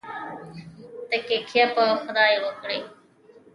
تککیه په خدای وکړئ